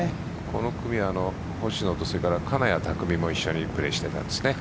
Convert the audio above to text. この組は星野と金谷拓実も一緒にプレーしていたんですね。